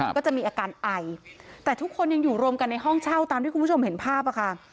ก็จะมีอาการไอแต่ทุกคนยังอยู่รวมกันในห้องเช่าตามที่คุณผู้ชมเห็นภาพค่ะ